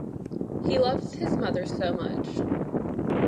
He loves his mother so much.